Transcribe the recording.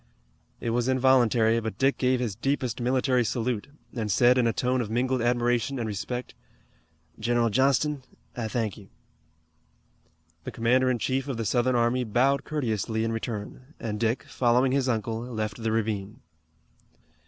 It was involuntary, but Dick gave his deepest military salute, and said in a tone of mingled admiration and respect: "General Johnston, I thank you." The commander in chief of the Southern army bowed courteously in return, and Dick, following his uncle, left the ravine.